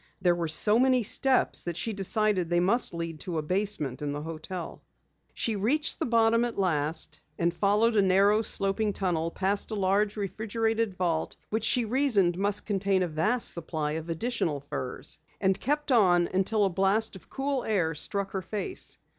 There were so many steps that she decided they must lead to a basement in the hotel. She reached the bottom at last and followed a narrow sloping tunnel, past a large refrigerated vault which she reasoned must contain a vast supply of additional furs, and kept on until a blast of cool air struck her face.